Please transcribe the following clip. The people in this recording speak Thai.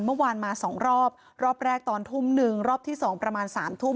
เมื่อวานมาสองรอบรอบแรกตอนทุ่มหนึ่งรอบที่สองประมาณสามทุ่ม